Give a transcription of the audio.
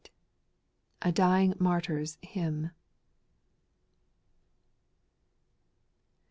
A DYING MAKTTK'S HYMN.